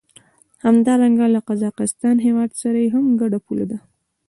همدارنګه له قزاقستان هېواد سره یې هم ګډه پوله ده.